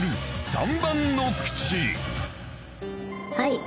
「はい。